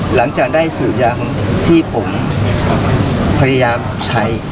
หลังจากได้สรุปย้างที่ผมพยายามใช้